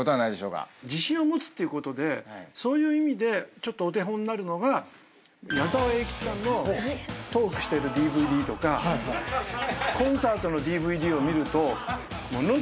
自信を持つっていうことでそういう意味でちょっとお手本になるのが矢沢永吉さんのトークしてるＤＶＤとかコンサートのＤＶＤを見るともの